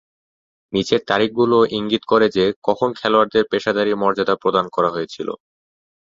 নিচের তারিখগুলো ইঙ্গিত করে যে, কখন খেলোয়াড়দের পেশাদারী মর্যাদা প্রদান করা হয়েছিল।